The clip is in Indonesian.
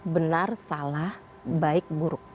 benar salah baik buruk